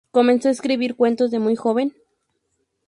Comenzó a escribir cuentos de muy joven.